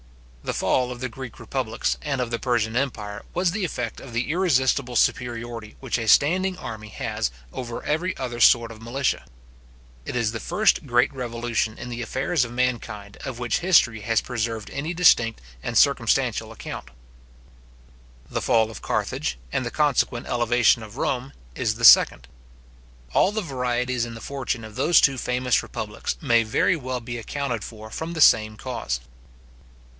The fall of the Greek republics, and of the Persian empire was the effect of the irresistible superiority which a standing arm has over every other sort of militia. It is the first great revolution in the affairs of mankind of which history has preserved any distinct and circumstantial account. The fall of Carthage, and the consequent elevation of Rome, is the second. All the varieties in the fortune of those two famous republics may very well be accounted for from the same cause.